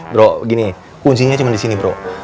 bro gini kuncinya cuma disini bro